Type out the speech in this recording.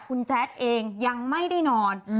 คุณแจ๊ดเองยังไม่ได้นอน